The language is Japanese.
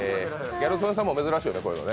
ギャル曽根さんも珍しいよね、こういうのね。